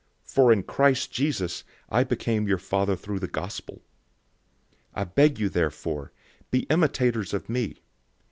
For in Christ Jesus, I became your father through the Good News. 004:016 I beg you therefore, be imitators of me.